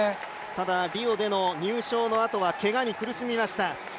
ただリオでの入賞のあとはけがで苦しみました。